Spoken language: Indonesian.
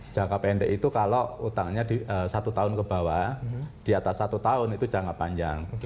jangka pendek itu kalau utangnya satu tahun ke bawah di atas satu tahun itu jangka panjang